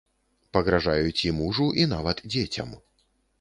Пагражаюць і мужу, і нават дзецям.